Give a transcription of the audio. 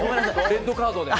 レッドカードで。